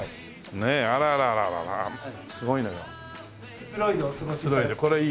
くつろいでお過ごしください。